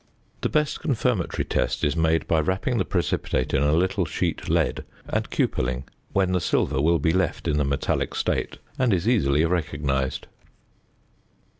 The best confirmatory test is made by wrapping the precipitate in a little sheet lead, and cupelling, when the silver will be left in the metallic state, and is easily recognized.